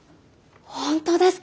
本当ですか！